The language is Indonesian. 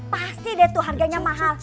pasti deh tuh harganya mahal